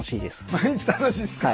毎日楽しいっすか。